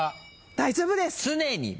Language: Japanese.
大丈夫です！